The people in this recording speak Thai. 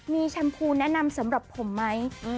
มีแชมพูแนะนำสำหรับผมไหม